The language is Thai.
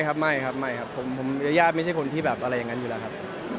ครับไม่ครับไม่ครับผมยายาไม่ใช่คนที่แบบอะไรอย่างนั้นอยู่แล้วครับ